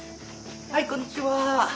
はいこんにちは！